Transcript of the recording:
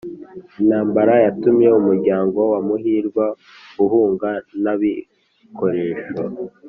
intambara yatumye umuryango wa muhirwa uhunga nta bikoresho